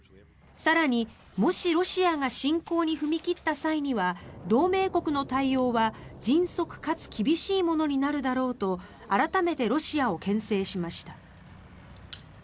更に、もしロシアが侵攻に踏み切った際には同盟国の対応は迅速かつ厳しいものになるだろうと改めてロシアをけん制しました。